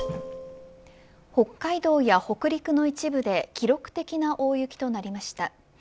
北海道や北陸の一部で記録的な大雪となりました。